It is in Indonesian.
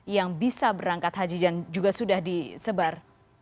yang bisa berangkat haji dan juga sudah disebar